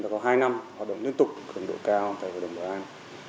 có hai năm hoạt động liên tục cường độ cao tại hội đồng bảo an